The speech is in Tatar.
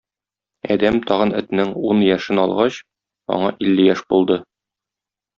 Адәм тагын этнең ун яшен алгач, аңа илле яшь булды.